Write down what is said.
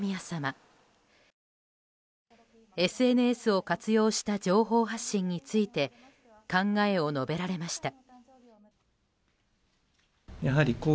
ＳＮＳを活用した情報発信について考えを述べられました。